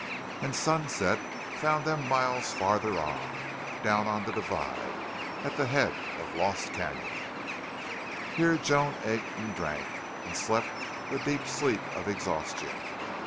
And sunset found them miles farther on, down on the divide, at the head of Lost Canon. Here Joan ate and drank, and slept the deep sleep of exhaustion.